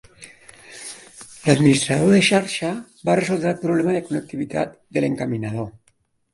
L'administrador de xarxa va resoldre el problema de connectivitat de l'encaminador.